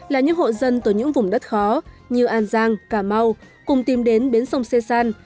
là những hộ dân từ những vùng đất khó như an giang cà mau cùng tìm đến bến sông sê san